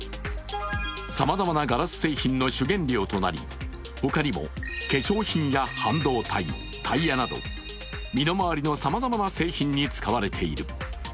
さまざまなガラス製品の主原料となり、ほかにも化粧品や半導体タイヤなど身の回りのさまざまな製品に使われている。